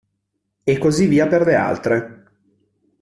E così via per le altre.